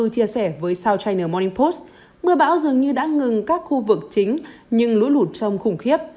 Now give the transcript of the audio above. chia sẻ với south china morning post mưa bão dường như đã ngừng các khu vực chính nhưng lũ lụt trông khủng khiếp